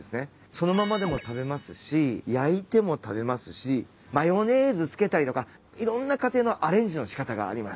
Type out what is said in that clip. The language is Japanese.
そのままでも食べますし焼いても食べますしマヨネーズ付けたりとかいろんな家庭のアレンジの仕方があります。